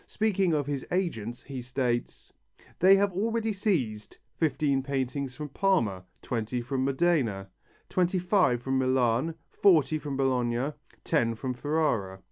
Speaking of his agents, he states: "They have already seized: fifteen paintings from Parma, twenty from Modena, twenty five from Milan, forty from Bologna, ten from Ferrara."